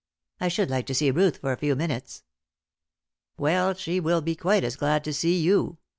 "I should like to see Ruth for a few minutes." "Well, she will be quite as glad to see you.